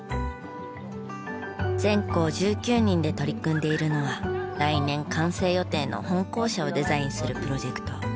全校１９人で取り組んでいるのは来年完成予定の本校舎をデザインするプロジェクト。